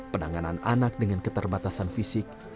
penanganan anak dengan keterbatasan fisik